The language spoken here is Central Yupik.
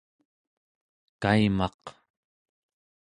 kaimaq